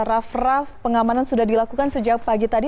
raff raff pengamanan sudah dilakukan sejak pagi tadi